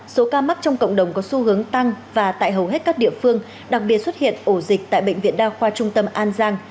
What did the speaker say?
số ca mắc trong cộng đồng có xu hướng tăng và tại hầu hết các địa phương đặc biệt xuất hiện ổ dịch tại bệnh viện đa khoa trung tâm an giang